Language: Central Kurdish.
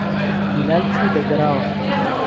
بیلال چوو دهگەراوه